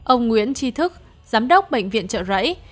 ông nguyễn tri thức giám đốc bệnh viện trợ rẫy